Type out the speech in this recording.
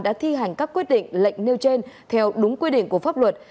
đã thi hành các quyết định lệnh nêu trên theo đúng quy định của pháp luật